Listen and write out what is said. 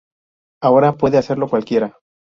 ahora puede serlo cualquiera